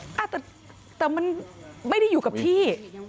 แต่มันไม่ได้อยู่กับที่